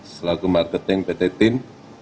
selaku marketing pt tim